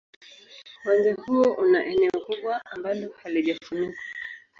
Uwanja huo una eneo kubwa ambalo halijafunikwa.